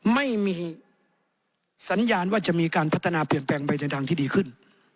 ไม่มีสัญญาณว่าจะมีการพัฒนาเปลี่ยนแปลงไปในดังที่ดีขึ้น